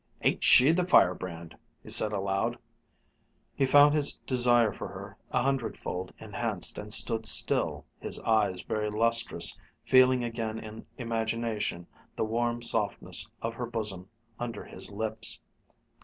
"Ain't she the firebrand!" he said aloud. He found his desire for her a hundredfold enhanced and stood still, his eyes very lustrous, feeling again in imagination the warm softness of her bosom under his lips.